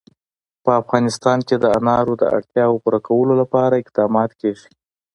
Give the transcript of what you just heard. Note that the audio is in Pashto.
په افغانستان کې د انار د اړتیاوو پوره کولو لپاره اقدامات کېږي.